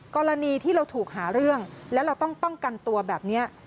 กรณีที่เราถูกหาเรื่องและเราต้องป้องกันตัวแบบนี้